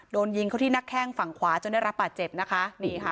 โดนยิงเขาที่นักแข้งฝั่งขวาจนได้รับบาดเจ็บนะคะนี่ค่ะ